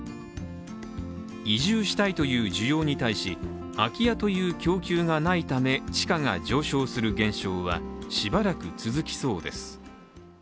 移住したいという需要に対し空き家という供給がないため地価が上昇する現象はしばらく続きそうです。